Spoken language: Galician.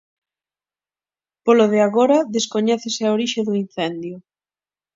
Polo de agora, descoñécese a orixe do incendio.